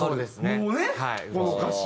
もうねこの歌詞は。